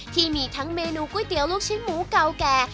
ที่มีทั้งเมนูก๋วยเตี๋ยวลูกชิ้นหมูเก่าแก่